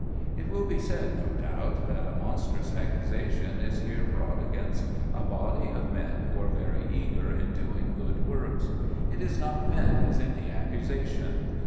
It will be said, no doubt, that a monstrous accusation is here brought against a body of men who are very eager in doing good works. It is not meant as any accusation.